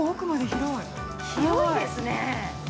◆広いですね。